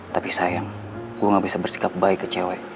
tapi sayang gue gak bisa bersikap baik ke cewek